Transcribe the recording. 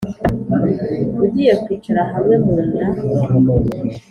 Ugiye kwicara hamwe mu nda!"